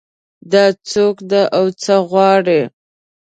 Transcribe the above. دا څوک ده او څه غواړي